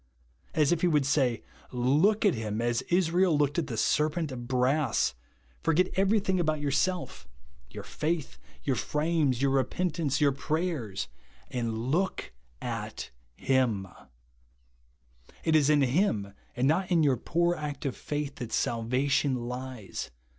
As if he would say, " Look at him as Israel looked at the seqDent of brass : forget eveiything about yourself, — your faith, your frames 146 THE WA^TT OF TOWER TO BELIEVE. your repentance, your j)rayers, — and look at Him." It is in Him, and not in your 2)oor act of faith, that salvation lies.